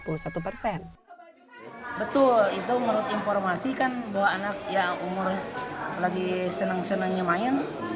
betul itu menurut informasi kan bahwa anak yang umur lagi senang senangnya main